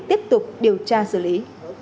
tiếp tục điều tra xử lý